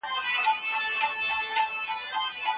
ایا ته په زده کړه کې ستړی کیږې؟